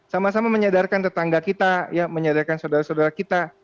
sama sama menyadarkan tetangga kita menyadarkan saudara saudara kita